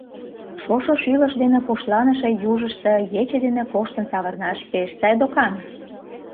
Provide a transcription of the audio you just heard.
Шошо шӱлыш дене пушланыше южышто ече дене коштын савырнаш пеш сай докан...